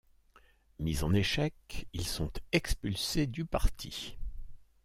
Mis en échec, ils sont expulsés du parti.